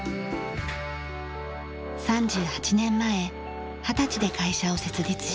３８年前二十歳で会社を設立しました。